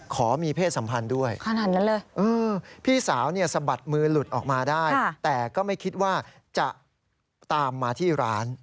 ขอมีเพศสัมพันธ์ด้วยขนาดนั้นเลยพี่สาวเนี่ยสะบัดมือหลุดออกมาได้แต่ก็ไม่คิดว่าจะตามมาที่ร้าน